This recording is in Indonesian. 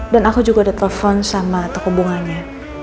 dan aku juga udah telpon sama tokoh bunganya